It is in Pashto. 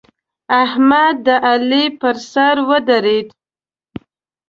احمد د علي پر سر ودرېد.